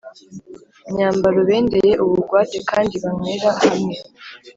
Myambaro bendeye ubugwate kandi banywera hamwe